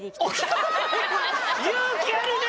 勇気あるね！